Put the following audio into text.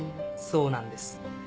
そうなんです。